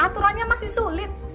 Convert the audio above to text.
aturannya masih sulit